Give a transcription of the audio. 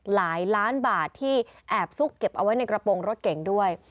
หลายล้านบาทที่แอบซุกเก็บเอาไว้ในกระโปรงรถเก่งด้วย